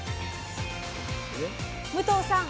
武藤さん